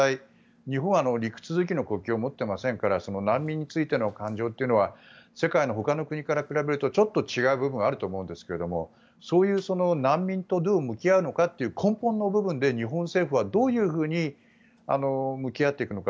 日本は陸続きの国境を持っていませんから難民についての感情っていうのは世界のほかの国から比べるとちょっと違う部分はあると思うんですけどそういう難民とどう向き合うのかという根本の部分で日本政府はどういうふうに向き合っていくのか。